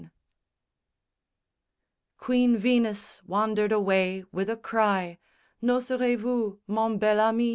SONG I Queen Venus wandered away with a cry, _N'oserez vous, mon bel ami?